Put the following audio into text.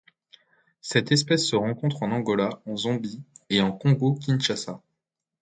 Cette espèce se rencontre en Angola, en Zambie et en Congo-Kinshasa.